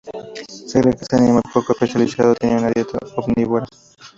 Se cree que este animal, poco especializado, tenía una dieta omnívora.